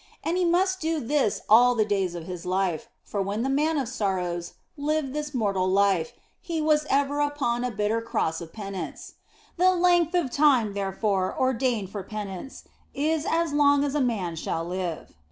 And he must do this all the days of his life, for OF FOLIGNO 129 when the Man of Sorrows lived this mortal life He was ever upon a bitter cross of penitence. The length of time, therefore, ordained for penance, is as long as a man shall live.